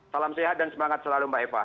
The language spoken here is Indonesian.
salam sehat dan semangat selalu mbak eva